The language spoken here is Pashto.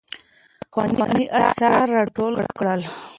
پخواني اثار يې راټول کړل.